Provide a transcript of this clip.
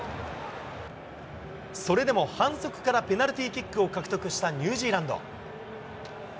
それでも反則からペナルティーキックを獲得したニュージーランド。